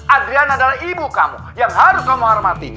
adrian adalah ibu kamu yang harus kamu hormati